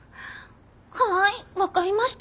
はぁい分かりました。